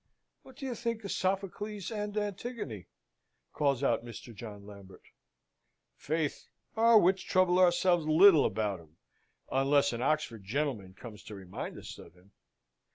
"What do you think of Sophocles and Antigone?" calls out Mr. John Lambert. "Faith, our wits trouble themselves little about him, unless an Oxford gentleman comes to remind us of him!